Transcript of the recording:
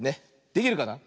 できるかな。